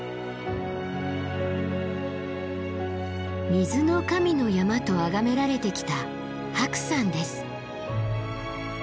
水の神の山とあがめられてきた白山です。